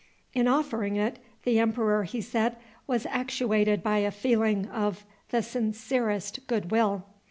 In offering it, the emperor, he said, was actuated by a feeling of the sincerest good will.